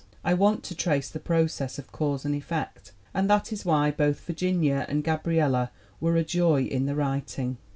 I want to trace the process of cause and effect; and that is why both Virginia and Gabriella were a joy in the writing.